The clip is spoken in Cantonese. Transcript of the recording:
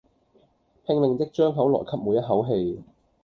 拼命的張口來吸每一口氣